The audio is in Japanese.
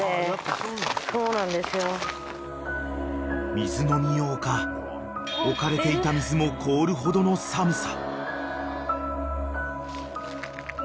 ［水飲み用か置かれていた水も凍るほどの寒さ］